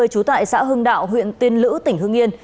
trú tại xã hưng đạo huyện tiên lữ tỉnh hương yên